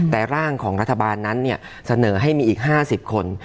แต่ร่างของรัฐบาลนั้นเสนอให้มีอีก๕๐คน